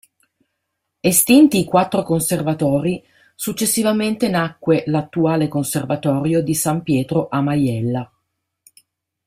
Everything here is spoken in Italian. Estinti i quattro conservatori successivamente nacque l'attuale conservatorio di San Pietro a Majella.